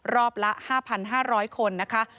รอบละ๕๕๐๐คนนะคะ